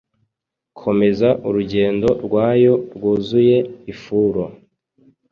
Komeza urugendo rwayo rwuzuye ifuro